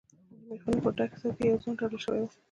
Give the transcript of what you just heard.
له ميخونو پر ډکې څوکی يو ځوان تړل شوی و.